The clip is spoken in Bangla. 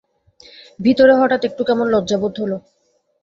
ভিতরে হঠাৎ একটু কেমন লজ্জা বোধ হল।